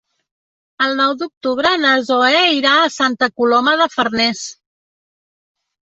El nou d'octubre na Zoè irà a Santa Coloma de Farners.